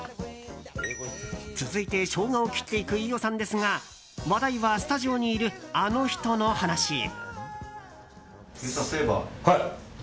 続いて、ショウガを切っていく飯尾さんですが話題は、スタジオにいるあの人の話へ。